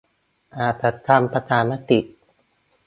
อาจจะทำประชามติ